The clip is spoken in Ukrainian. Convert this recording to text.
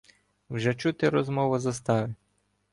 Вже чути розмову застави.